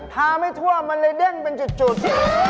ไม่ทั่วมันเลยเด้งเป็นจุด